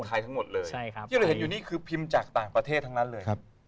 ที่เห็นอยู่นี่คือพิมพ์จากต่างประเทศทั้งนั้นเลย